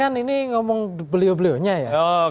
cuma kan ini ngomong beliau beliau nya ya